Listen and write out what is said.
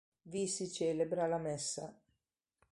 Vi si celebra la messa.